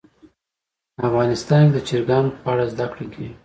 افغانستان کې د چرګانو په اړه زده کړه کېږي.